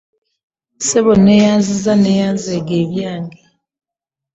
Ssebo nneeyanzizza nneeyanzeege ebyange.